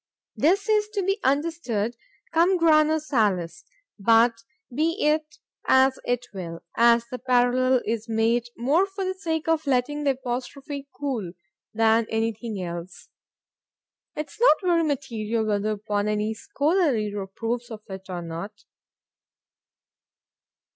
This is to be understood cum grano salis; but be it as it will,—as the parallel is made more for the sake of letting the apostrophe cool, than any thing else,—'tis not very material whether upon any other score the reader approves of it or not.